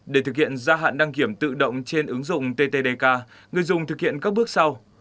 để thực hiện gia hạn đăng kiểm tự động trên ứng dụng ttdk người dùng thực hiện các bước sau